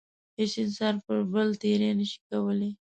هیڅ انسان پر بل تېرۍ نشي کولای.